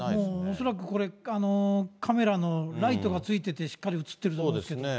恐らくこれ、カメラのライトがついててしっかり映ってますね。